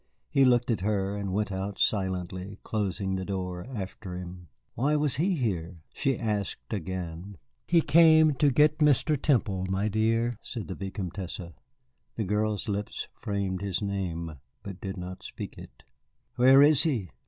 He looked at her, and went out silently, closing the doors after him. "Why was he here?" she asked again. "He came to get Mr. Temple, my dear," said the Vicomtesse. The girl's lips framed his name, but did not speak it. "Where is he?"